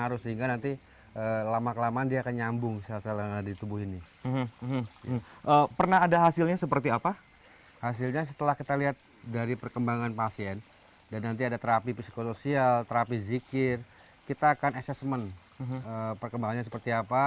hasilnya setelah kita lihat dari perkembangan pasien dan nanti ada terapi psikososial terapi zikir kita akan assessment perkembangannya seperti apa